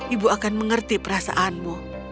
ibu akan mengerti perasaanmu